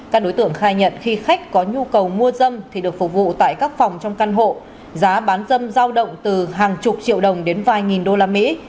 các đối tượng khai nhận khi khách có nhu cầu mua dâm thì được phục vụ tại các phòng trong căn hộ giá bán dâm giao động từ hàng chục triệu đồng đến vài nghìn đô la mỹ